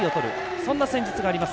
そんな戦術があります。